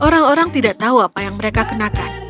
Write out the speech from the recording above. orang orang tidak tahu apa yang mereka kenakan